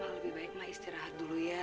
ma lebih baik ma istirahat dulu ya